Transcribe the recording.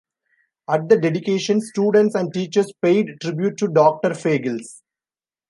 At the dedication, students and teachers paid tribute to Doctor Fagles.